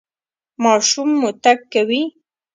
ماشوم مو تګ کوي؟